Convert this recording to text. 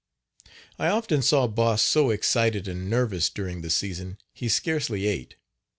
I often saw Boss so excited and nervous during the season he scarcely ate.